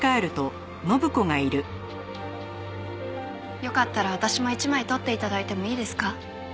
よかったら私も一枚撮って頂いてもいいですか？